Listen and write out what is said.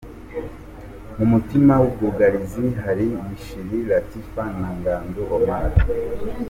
Mu mutima w’ubwugarizi hari Bishira Latif na Ngandou Omar.